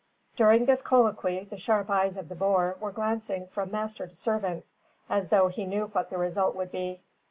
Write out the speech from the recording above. During this colloquy the sharp eyes of the boer were glancing from master to servant, as though he knew what the result would be.